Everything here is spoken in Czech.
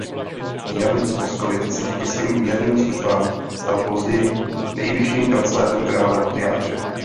Jan z Boskovic se díky svým věrným službám stal později nejvyšším kancléřem krále Matyáše.